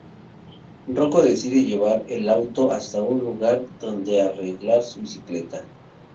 Rocco decide llevar el auto hasta un lugar donde arreglar su bicicleta.